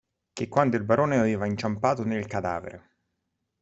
Che quando il barone aveva inciampato nel cadavere.